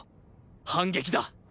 反撃だ！